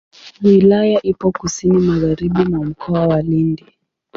Wilaya ipo kusini magharibi mwa Mkoa wa Lindi.